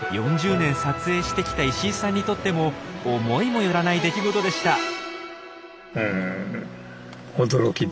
４０年撮影してきた石井さんにとっても思いもよらない出来事でした。